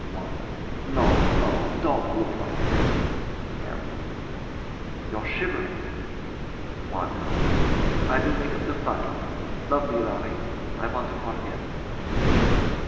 WANDA. No, no! Don't look like that! LARRY. You're shivering. WANDA. I will make up the fire. Love me, Larry! I want to forget.